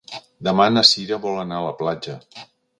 Demà na Cira vol anar a la platja.